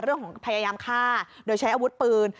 เรื่องของพยายามฆ่าโดยใช้อาวุธปืน